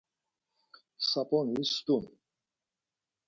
Sap̌oni stun.